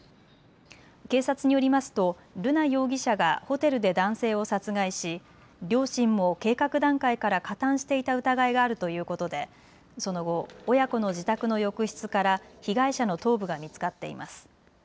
警察によりますと瑠奈容疑者がホテルで男性を殺害し両親も計画段階から加担していた疑いがあるということでその後、親子の自宅の浴室から被害者の頭部が見つかっています。